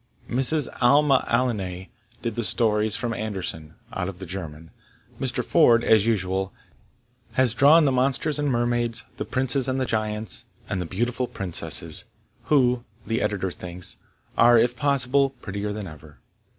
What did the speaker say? Miss Alma Alleyne did the stories from Andersen, out of the German. Mr. Ford, as usual, has drawn the monsters and mermaids, the princes and giants, and the beautiful princesses, who, the Editor thinks, are, if possible, prettier than ever.